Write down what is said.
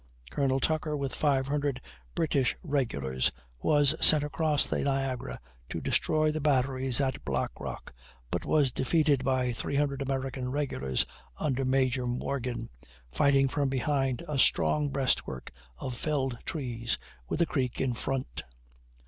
Col. Tucker with 500 British regulars was sent across the Niagara to destroy the batteries at Black Rock, but was defeated by 300 American regulars under Major Morgan, fighting from behind a strong breastwork of felled trees, with a creek in front.